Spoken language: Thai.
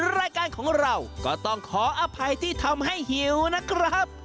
รายการของเราก็ต้องขออภัยที่ทำให้หิวนะครับ